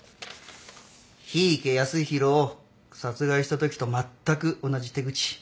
檜池泰弘を殺害したときとまったく同じ手口。